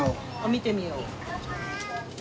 見てみよう。